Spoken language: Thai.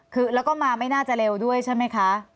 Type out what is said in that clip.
คือแล้วก็มาไม่น่าจะเร็วด้วยใช่ไหมคะ